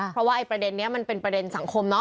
เพราะว่าไอ้ประเด็นนี้มันเป็นประเด็นสังคมเนอ